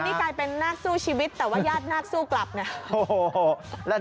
แล้วนี่กลายเป็นนักสู้ชีวิตแต่ว่ายาดนักสู้กลับนะ